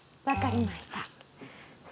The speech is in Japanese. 分かりました。